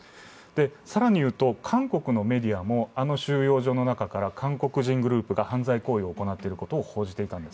更に言うと、韓国のメディアもあの収容所の中から韓国人グループが犯罪行為を行っていることを報じていたんです。